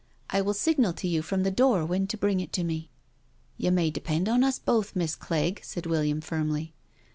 I will signal to you from the door when to bring it to me." " You may depend on us both, Miss Clegg/* said William firmly.